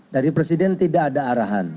dari presiden tidak ada arahan